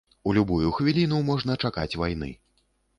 У любую хвіліну можна чакаць вайны.